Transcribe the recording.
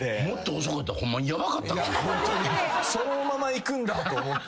そのままいくんだと思って。